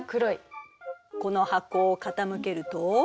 この箱を傾けると。